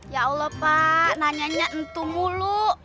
ya allah pak nanya nya entuh mulu